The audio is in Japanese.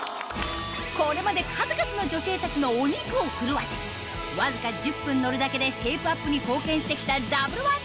これまで数々の女性たちのお肉を震わせわずか１０分乗るだけでシェイプアップに貢献して来たダブル